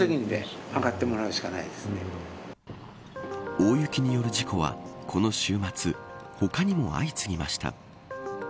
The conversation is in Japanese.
大雪による事故はこの週末他にも相次ぎました。